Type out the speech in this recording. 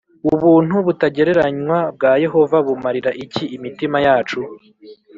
Ubuntu butagereranywa bwa Yehova bumarira iki imitima yacu